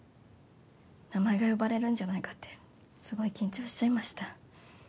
名前が呼ばれるんじゃないかってすごい緊張しちゃいました。